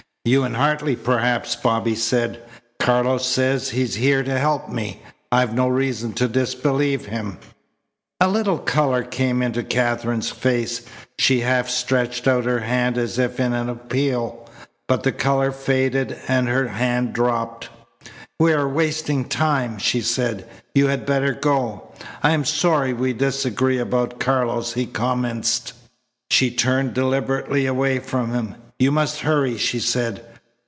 "You and Hartley, perhaps," Bobby said. "Carlos says he is here to help me. I've no reason to disbelieve him." A little colour came into Katherine's face. She half stretched out her hand as if in an appeal. But the colour faded and her hand dropped. "We are wasting time," she said. "You had better go." "I am sorry we disagree about Carlos," he commenced. She turned deliberately away from him. "You must hurry," she said.